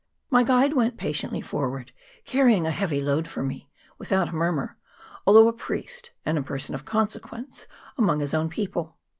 My guide went patiently forward, carrying a heavy load for me, without a murmur, although a priest and a person of consequence among his own people.